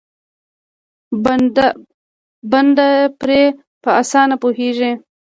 بنده پرې په اسانه پوهېږي.